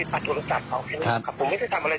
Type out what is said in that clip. ที่ผู้เสียหายเขาถ่ายได้เนี้ย